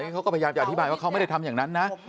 เขาก็พยายามจะอธิบายว่าเขาไม่ได้ทำอย่างนั้นนะ